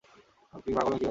আপনি কি পাগল নাকি ভাই?